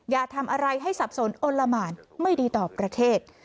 อย่าทำอะไรให้สับสนอนละหมานไม่ดีต่อประเทศ